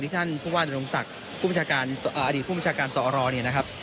ที่ท่านพูดว่าดนตรงศักดิ์อดีตผู้บัญชาการสอรนะครับ